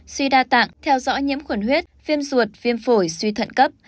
suy đa tạng theo dõi nhiễm khuẩn huyết viêm ruột viêm phổi suy thận cấp